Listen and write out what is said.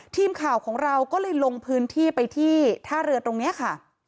ทีมข่าวของเราก็เลยลงพื้นที่ไปที่ท่าเรือตรงนี้ค่ะ